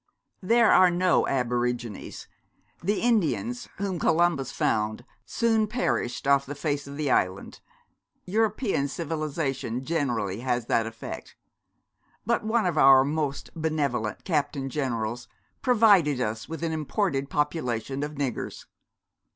'There are no aborigines. The Indians whom Columbus found soon perished off the face of the island. European civilisation generally has that effect. But one of our most benevolent captain generals provided us with an imported population of niggers.'